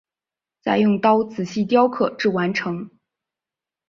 再用刀仔细雕刻至完成。